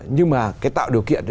nhưng mà cái tạo điều kiện